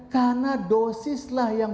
karena dosislah yang